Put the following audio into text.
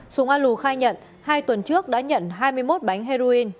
sùng a lù khai nhận hai tuần trước đã nhận hai mươi một bánh heroin